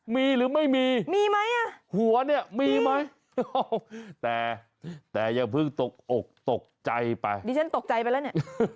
มีหรือไม่มีหัวนี้มีไหมแต่ยังเพิ่งตกอกตกใจไปดิฉันตกใจไปแล้วเนี่ย